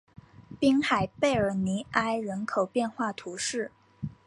滨海贝尔尼埃人口变化图示